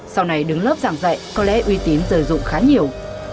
sau này đứng lớp giảng dạy có lẽ uy tín rời dụng khá nhiều